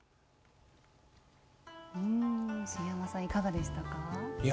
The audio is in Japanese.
茂山さん、いかがでしたか。